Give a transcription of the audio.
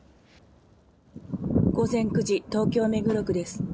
午前９時東京・目黒区です。